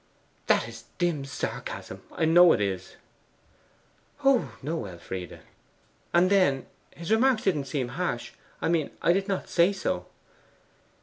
'That is dim sarcasm I know it is.' 'Oh no, Elfride.' 'And then, his remarks didn't seem harsh I mean I did not say so.